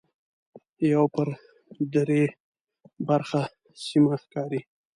یو پر درې برخه سیمه ښکاري.